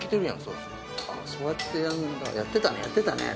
そうやってやるんだやってたねやってたね